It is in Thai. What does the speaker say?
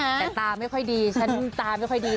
แต่ตาไม่ค่อยดีฉันตาไม่ค่อยดี